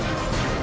dạ thật chắc